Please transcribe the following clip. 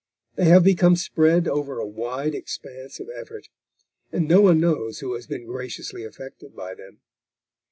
They have become spread over a wide expanse of effort, and no one knows who has been graciously affected by them.